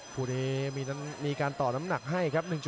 หรือการต่อน้ำหนักให้ครับ